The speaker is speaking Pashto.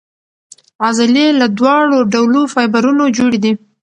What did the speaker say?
عضلې له دواړو ډولو فایبرونو جوړې دي.